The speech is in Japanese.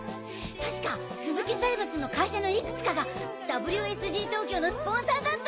確か鈴木財閥の会社のいくつかがＷＳＧ東京のスポンサーだったはず！